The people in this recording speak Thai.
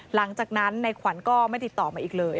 หลังจากนั้นในขวัญก็ไม่ติดต่อมาอีกเลย